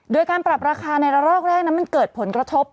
โดยการปรับราคาในระลอกแรกนั้นมันเกิดผลกระทบ